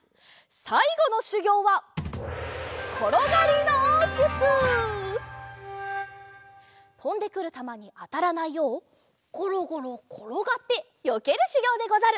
さいごのしゅぎょうはとんでくるたまにあたらないようごろごろころがってよけるしゅぎょうでござる！